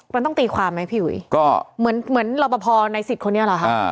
มันต้องตีความไหมพี่หุยเหมือนระบบภอในสิทธิ์คนนี้หรอครับ